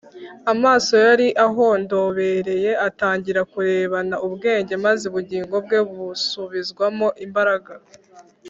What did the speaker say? Amaso yari ahondobereye atangira kurebana ubwenge, maze ubugingo bwe busubizwamo imbaraga.